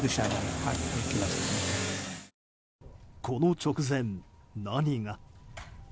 この直前、何が？